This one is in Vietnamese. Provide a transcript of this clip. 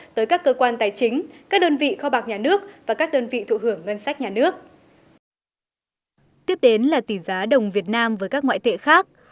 tiếp đến là tỷ giá đồng việt nam với các ngoại tệ khác